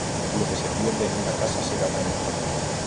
Lo que se pierde en una casa se gana en otra.